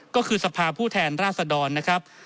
ก็คือสภาพผู้แทนราษดรนะครับ